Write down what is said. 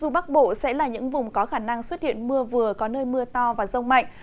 dù bắc bộ sẽ là những vùng có khả năng xuất hiện mưa vừa có nơi mưa to và rông mạnh